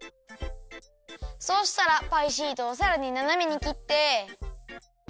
そうしたらパイシートをさらにななめにきって。